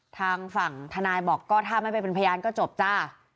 ทางฝั่งทนายบอกก็ถ้าไม่ไปเป็นพยานก็จบจ้า